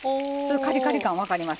カリカリ感分かります？